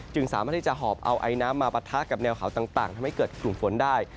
สามารถที่จะหอบเอาไอน้ำมาปะทะกับแนวเขาต่างทำให้เกิดกลุ่มฝนได้